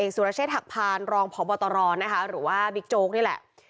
สุรเชษฐกภัณฑ์รองพบตรหรือว่าบิ๊กโจ๊กนี่แหละ